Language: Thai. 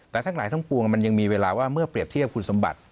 แต่ทั้งหลายทั้งปวงมันยังมีเวลาว่าเมื่อเปรียบเทียบคุณสมบัติ